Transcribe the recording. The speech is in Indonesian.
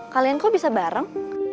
kalian kok bisa bareng